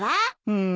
うん。